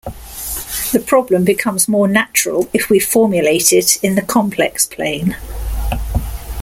The problem becomes more natural if we formulate it in the complex plane.